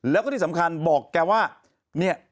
แล้วก็ที่สำคัญบอกแกว่า